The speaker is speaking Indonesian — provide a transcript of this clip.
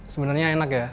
sebenarnya enak ya